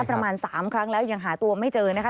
ประมาณ๓ครั้งแล้วยังหาตัวไม่เจอนะคะ